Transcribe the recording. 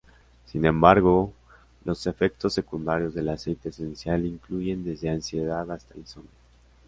Sin embargo, los efectos secundarios del aceite esencial incluyen desde ansiedad hasta insomnio.